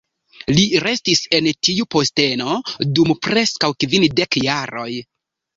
Li restis en tiu posteno dum preskaŭ kvindek jaroj.